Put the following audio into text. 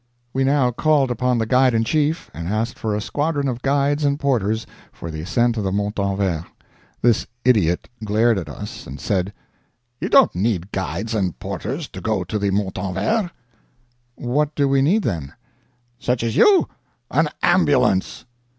We now called upon the Guide in Chief, and asked for a squadron of guides and porters for the ascent of the Montanvert. This idiot glared at us, and said: "You don't need guides and porters to go to the Montanvert." "What do we need, then?" "Such as YOU? an ambulance!"